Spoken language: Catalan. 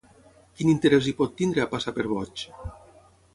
Quin interès hi pot tenir, a passar per boig?